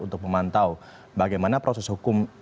untuk memantau bagaimana proses hukum